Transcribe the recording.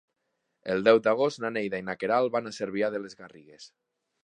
El deu d'agost na Neida i na Queralt van a Cervià de les Garrigues.